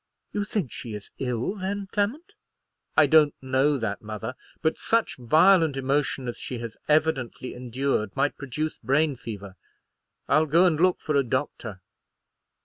"You think she is ill, then, Clement?" "I don't know that, mother; but such violent emotion as she has evidently endured might produce brain fever. I'll go and look for a doctor."